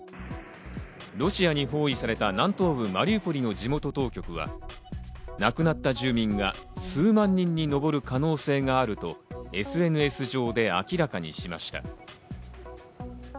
ロシアに包囲された南東部マリウポリの地元当局は亡くなった住民が数万人に上る可能性があるとＳＮＳ上で明らかにしました。